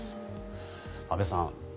安部さん